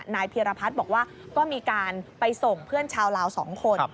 เพียรพัฒน์บอกว่าก็มีการไปส่งเพื่อนชาวลาว๒คน